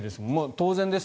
当然です。